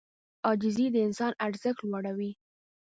عاجزي د انسان ارزښت لوړوي.